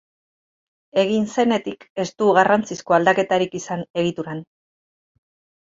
Egin zenetik ez du garrantzizko aldaketarik izan egituran.